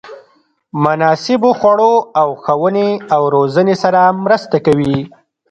مناسبو خوړو او ښوونې او روزنې سره مرسته کوي.